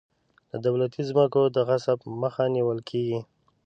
د دولتي ځمکو د غصب مخه نیول کیږي.